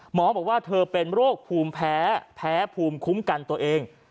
หมอบอกว่าเธอเป็นโรคภูมิแพ้แพ้ภูมิคุ้มกันตัวเอง